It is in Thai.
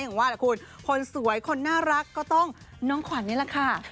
ว่าแหละคุณคนสวยคนน่ารักก็ต้องน้องขวัญนี่แหละค่ะ